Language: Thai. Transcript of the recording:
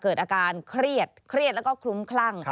เกิดอาการเครียดเครียดแล้วก็คลุ้มคลั่ง